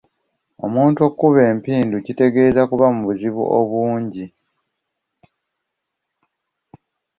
Omuntu okuba empindu kitegeeza kuba mu buzibu obungi.